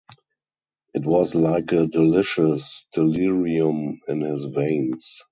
It was like a delicious delirium in his veins.